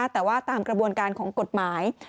แต่ว่าตามกระบวนการของกฎหมาย